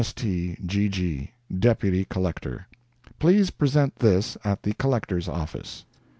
ST GG, Deputy Collector. Please present this at the Collector's office."